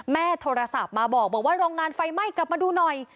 แม่โทรศัพท์มาบอกว่าโรงงานไฟไหม้กลับมาดูหน่อย